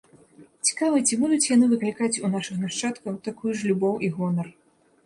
Цікава, ці будуць яны выклікаць у нашых нашчадкаў такую ж любоў і гонар?